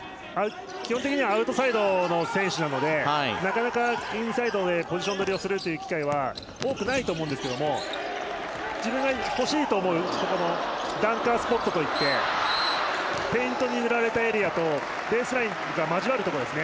基本的にはアウトサイドの選手なのでなかなかインサイドでポジション取りをするという機会は多くないと思うんですが自分が欲しいと思うところのダンカースポットといってペイントに塗られたエリアとベースラインが交わるところですね。